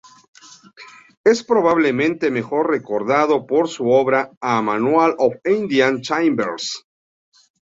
Es probablemente mejor recordado por su obra "A Manual of Indian Timbers".